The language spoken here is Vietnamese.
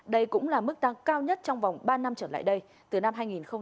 đây cũng là mức tăng cao nhất trong vòng ba năm trở lại đây từ năm hai nghìn một mươi tám